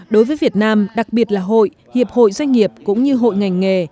đối với việt nam đặc biệt là hội hiệp hội doanh nghiệp cũng như hội ngành nghề